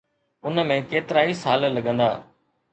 ان ۾ ڪيترائي سال لڳندا.